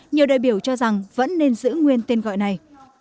nhiều đại biểu cho rằng vẫn nên giữ nguyên tên gọi này